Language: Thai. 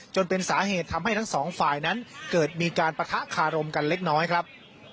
จนเป็นสาเหตุทำให้ทั้งสองฝ่ายนั้นเกิดมีการปะทะคารมกันเล็กน้อยครับ